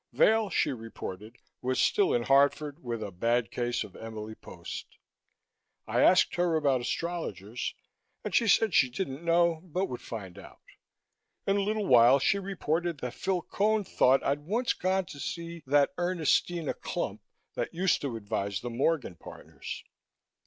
Vail, she reported, was still in Hartford with a bad case of Emily Post. I asked her about astrologers and she said she didn't know but would find out. In a little while she reported that Phil Cone thought I'd once gone to see that Ernestina Clump that used to advise the Morgan partners.